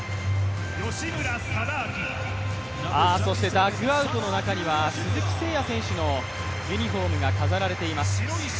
ダグアウトの中には鈴木誠也選手のユニフォームが飾られています。